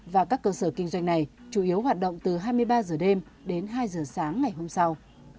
và các cơ sở kinh doanh này chủ yếu hoạt động từ hai mươi ba h đêm đến hai h sáng ngày hôm sau